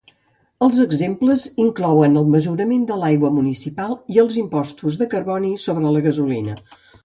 Els exemples inclouen el mesurament de l'aigua municipal i els impostos de carboni sobre la gasolina.